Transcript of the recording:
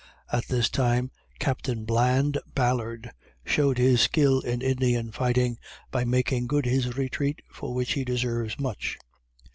At this time Captain Bland Ballard showed his skill in Indian fighting, by making good his retreat, for which he deserves much.